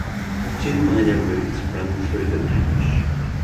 Two minor routes run through the parish.